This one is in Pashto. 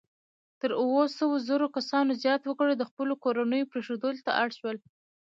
تر اووه سوه زره کسانو زیات وګړي د خپلو کورنیو پرېښودلو ته اړ شول.